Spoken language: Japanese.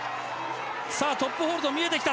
さあトップホールド見えてきた。